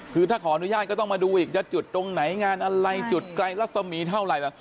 คือถ้าขออนุญาตก็ต้องมาดูอีกจะจุดตรงไหนงานอะไรจุดไกลรัศมีเท่าไหร่แบบ